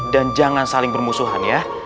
dan jangan saling bermusuhan ya